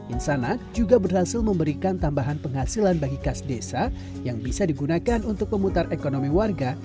insanak juga berhasil memberikan tambahan penghasilan bagi kas desa yang bisa digunakan untuk memutar ekonomi warga